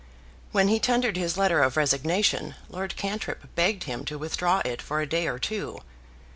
When he tendered his letter of resignation, Lord Cantrip begged him to withdraw it for a day or two.